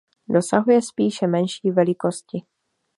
Dosahuje spíše menší velikosti.